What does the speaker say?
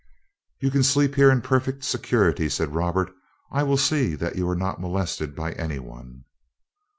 "You can sleep here in perfect security," said Robert. "I will see that you are not molested by any one."